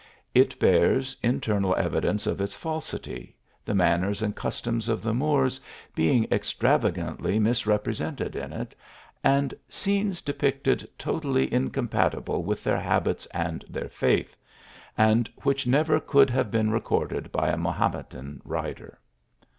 It bears internal evidence of its falsity, the manners and customs of the Moors being extravagantly mis represented in it, and scenes depicted totally in compatible with their habits and their faith, and which never could have been recorded by a Ma hometan writer.